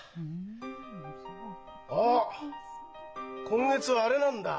今月はあれなんだ。